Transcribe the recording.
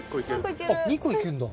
あっ２個いけるんだ？